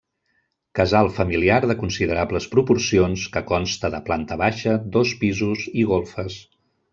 Casal familiar de considerables proporcions que consta de planta baixa, dos pisos i golfes.